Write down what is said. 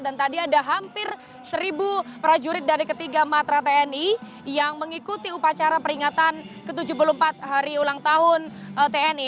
dan tadi ada hampir seribu prajurit dari ketiga matra tni yang mengikuti upacara peringatan ke tujuh puluh empat hari ulang tahun tni